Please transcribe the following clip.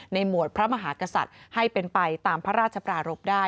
หมวดพระมหากษัตริย์ให้เป็นไปตามพระราชปรารบได้